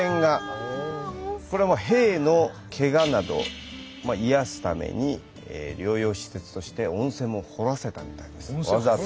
これは兵のけがなどを癒やすために療養施設として温泉も掘らせたみたいです。